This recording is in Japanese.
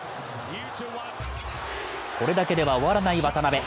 これだけでは終わらない渡邊。